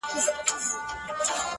قاتل ژوندی دی ـ مړ یې وجدان دی ـ